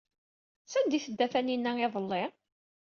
Sanda ay tedda Taninna iḍelli?